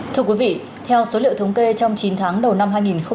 thưa quý vị theo số liệu thống kê trong chín tháng đầu năm hai nghìn hai mươi ba